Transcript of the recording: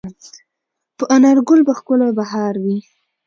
په انارګل به ښکلی بهار وي